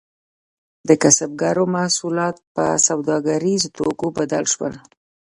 د کسبګرو محصولات په سوداګریزو توکو بدل شول.